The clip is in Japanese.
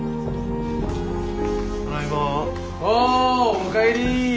おおかえり。